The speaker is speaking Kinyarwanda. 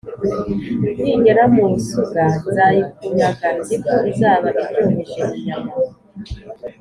nigera mu busuga nzayikunyaga, nzi ko izaba iryoheje inyama !»